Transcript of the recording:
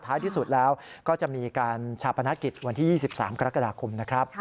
ที่สุดแล้วก็จะมีการชาปนกิจวันที่๒๓กรกฎาคมนะครับ